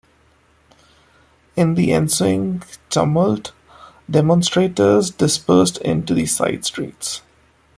In the ensuing tumult, demonstrators dispersed into the side streets.